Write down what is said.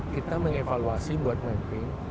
kita evaluasi buat mapping